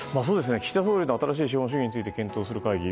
岸田総理の新しい資本主義について検討する会議